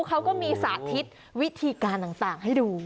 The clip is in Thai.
เขาก็มีสาธิตวิธีการต่างให้ดู